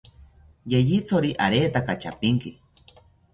Yeyithori aretaka chapinki